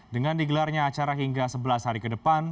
dengan digelarnya acara hingga sebelas hari ke depan